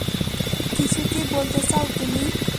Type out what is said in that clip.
কিছু কি বলতে চাও তুমি?